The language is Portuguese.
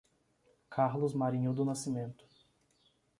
Carlos Marinho do Nascimento